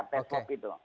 tes swab gitu